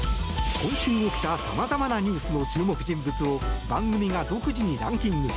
今週起きた様々なニュースの注目人物を番組が独自にランキング。